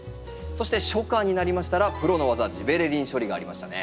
そして初夏になりましたらプロの技ジベレリン処理がありましたね。